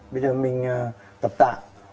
bây giờ mình tập tạ